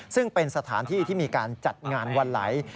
ซึ่งเป็นสถานที่ที่มีการจัดงานวันไหล